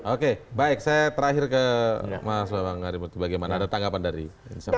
oke baik saya terakhir ke mas bambang harimutu bagaimana ada tanggapan dari insan